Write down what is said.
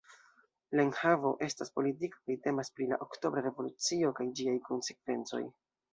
La enhavo estas politika kaj temas pri la Oktobra Revolucio kaj ĝiaj konsekvencoj.